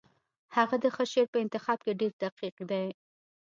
هغه د ښه شعر په انتخاب کې ډېر دقیق دی